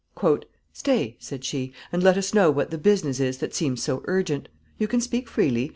"Stay," said she, "and let us know what the business is that seems so urgent. You can speak freely.